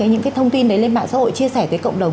những cái thông tin đấy lên mạng xã hội chia sẻ tới cộng đồng